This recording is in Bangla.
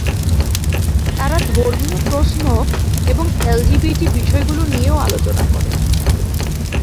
তারা ধর্মীয় প্রশ্ন এবং এলজিবিটি বিষয়গুলি নিয়েও আলোচনা করে।